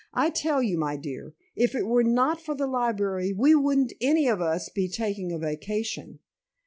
"I tell you, my dear, if it were not for the library we wouldn't any of us be taking a vacation.